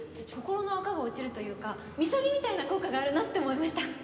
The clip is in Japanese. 心の垢が落ちるというか禊ぎみたいな効果があるなって思いました。